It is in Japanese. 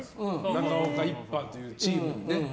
中岡一派というチームに。